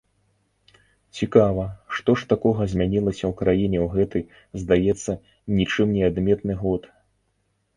Цікава, што ж такога змянілася ў краіне ў гэты, здаецца, нічым не адметны год?